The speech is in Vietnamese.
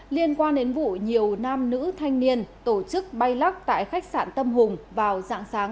liên quan đến vụ nhiều nam nữ thanh niên tổ chức bay lắc tại khách sạn tâm hùng vào dạng sáng